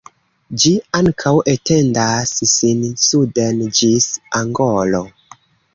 Ĝi ankaŭ etendas sin suden ĝis Angolo.